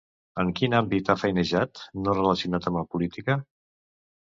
En quin àmbit ha feinejat, no relacionat amb la política?